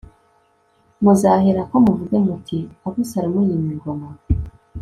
muzahereko muvuge muti “abusalomu yimye ingoma